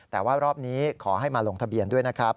แต่ว่ารอบนี้ขอให้มาลงทะเบียนด้วยนะครับ